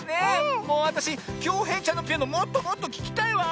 もうわたしきょうへいちゃんのピアノもっともっとききたいわ！